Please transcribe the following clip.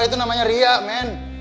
itu namanya ria men